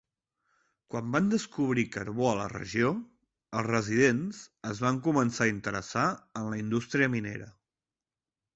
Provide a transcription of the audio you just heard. Quan van descobrir carbó a la regió, els residents es van començar a interessar en la indústria minera.